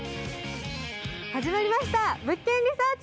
始まりました「物件リサーチ」！